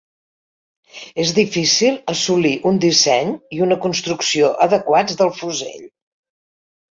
És difícil assolir un disseny i una construcció adequats del fusell.